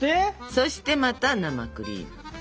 そしてまた生クリーム。